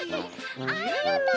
ありがとう。